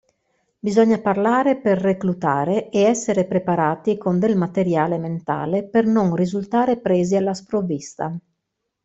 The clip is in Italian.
Bisogna parlare per reclutare e essere preparati con del materiale mentale per non risultare presi alla sprovvista.